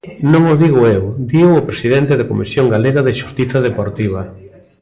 Non o digo eu, dío o presidente da Comisión Galega de Xustiza Deportiva.